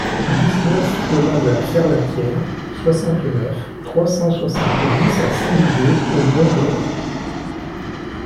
dix-neuf chemin de la Ferlatière, soixante-neuf, trois cent soixante-dix à Saint-Didier-au-Mont-d'Or